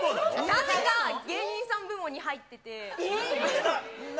なぜか芸人さん部門に入ってて。